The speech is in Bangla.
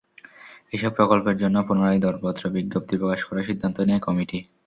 এসব প্রকল্পের জন্য পুনরায় দরপত্র বিজ্ঞপ্তি প্রকাশ করার সিদ্ধান্ত নেয় কমিটি।